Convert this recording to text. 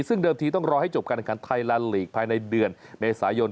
ซึ่งเดิมทีต้องรอให้จบการแข่งขันไทยแลนดลีกภายในเดือนเมษายน